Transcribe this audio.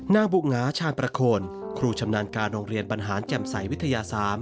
บุหงาชาญประโคนครูชำนาญการโรงเรียนบรรหารแจ่มใสวิทยา๓